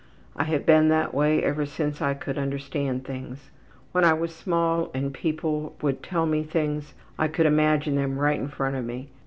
I have been that way ever since I could understand things. When I was small and people would tell me things I could imagine them right in front of me.